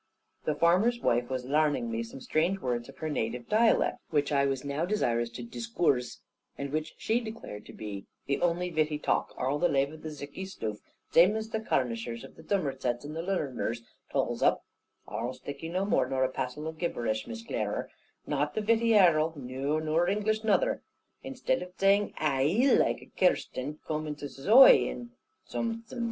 The farmer's wife was "larning" me some strange words of her native dialect, which I was now desirous to "discoorse," and which she declared to be "the only vitty talk. Arl the lave of thiccy stoof, zame as the Carnishers and the Zummersets and the Lunnoners tulls up, arl thiccy's no more nor a passel of gibbersh, Miss Clerer, and not vitty atarl; noo, nor English nother. Instead of zaying 'ai' laike a Kirsten, zome on em zays 'oi,' and zome on em 'I.